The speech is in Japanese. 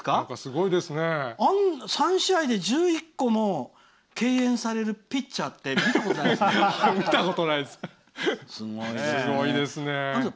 ３試合で１１個も敬遠されるピッチャーって見たことありますか？